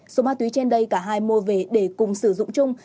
số ma túy trên đây cả hai mua về để cùng sử dụng chung